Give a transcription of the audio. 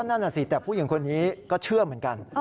นั่นน่ะสิแต่ผู้หญิงคนนี้ก็เชื่อเหมือนกัน